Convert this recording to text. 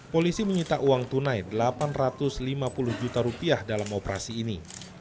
polisi menyita uang tunai rp delapan ratus lima puluh juta rupiah dalam operasi ini